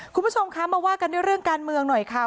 คุณผู้ชมคะมาว่ากันด้วยเรื่องการเมืองหน่อยค่ะ